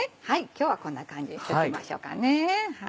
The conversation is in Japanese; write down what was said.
今日はこんな感じにしときましょうかね。